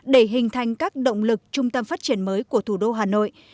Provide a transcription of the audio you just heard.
để hình thành các động lực trung tâm phát triển mới của thủ đô hà nội